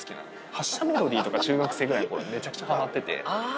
発車メロディーとか、中学生ぐらいのとき、めちゃくちゃはまってて。